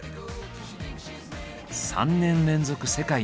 ３年連続世界